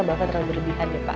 bahkan terlalu berlebihan ya pak